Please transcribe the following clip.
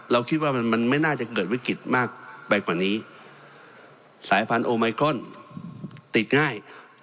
เราคิดว่ามันมันไม่น่าจะเกิดวิกฤตมากไปกว่านี้สายพันธุไมครอนติดง่าย